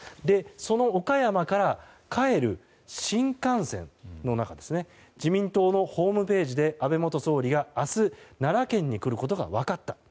その岡山から帰る新幹線の中で自民党のホームページで安倍元総理が明日奈良県に来ることが分かった。